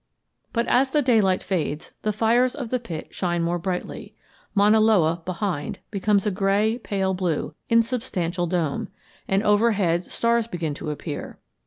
"But as the daylight fades the fires of the pit shine more brightly. Mauna Loa, behind, becomes a pale, gray blue, insubstantial dome, and overhead stars begin to appear.